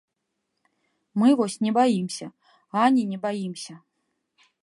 Мы вось не баімся, ані не баімся.